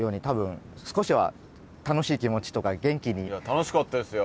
楽しかったですよ